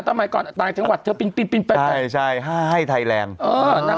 ต้องมาก่อนต่างจังหวัดเธอปริ้นปริ้นปริ้นใช่ใช่ให้ไทยแรงเออน่ะ